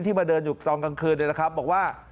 มาเดินอยู่ตอนกลางคืนเนี่ยนะครับบอกว่า